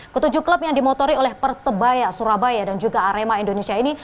ketujuh klub yang dimotori oleh persebaya surabaya dan juga arema indonesia ini